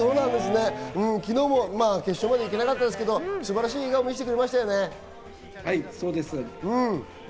昨日も決勝まで行けなかったですけど、素晴らしい演技を見せてくれましたね。